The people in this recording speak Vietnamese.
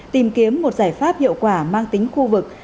tìm kiếm một giải pháp hiệu quả mang tính khu vực